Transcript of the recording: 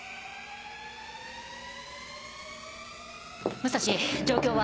武蔵状況は？